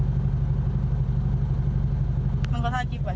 โทรศัพท์ที่ถ่ายคลิปสุดท้าย